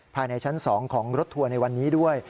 ภายในชั้น๒ของรถทัวร์ในวันนี้ด้วย